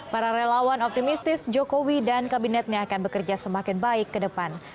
para relawan optimistis jokowi dan kabinetnya akan bekerja semakin baik ke depan